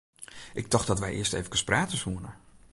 Ik tocht dat wy earst eefkes prate soene.